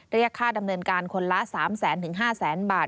เรียกค่าดำเนินการคนละ๓แสนถึง๕๐๐๐๐บาท